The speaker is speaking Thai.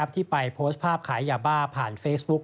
ที่ไปโพสต์ภาพขายยาบ้าผ่านเฟซบุ๊ค